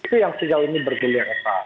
itu yang sejauh ini bergulir eva